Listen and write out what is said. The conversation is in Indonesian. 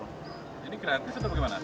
ini gratis atau bagaimana